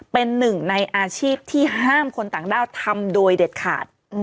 เป็นหนึ่งในอาชีพที่ห้ามคนต่างด้าวทำโดยเด็ดขาด